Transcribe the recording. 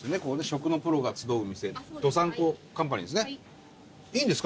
「食のプロが集う店どさんこＣＯＭＰＡＮＹ」ですね。